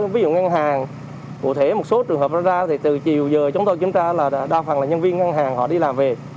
ví dụ ngân hàng cụ thể một số trường hợp nó ra thì từ chiều giờ chúng tôi kiểm tra là đa phần là nhân viên ngân hàng họ đi làm về